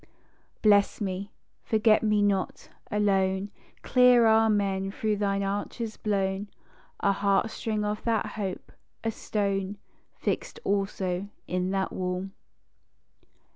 Bless me; forget me not: a lone Clear Amen through thine arches blown, A heartstring of that Hope, a stone Fixed also in that Wall.